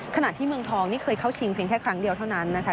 ขณะที่เมืองทองนี่เคยเข้าชิงเพียงแค่ครั้งเดียวเท่านั้นนะคะ